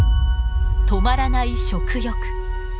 止まらない食欲。